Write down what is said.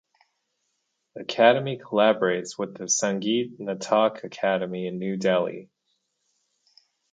The academy collaborates with the Sangeet Natak Academy in New Delhi.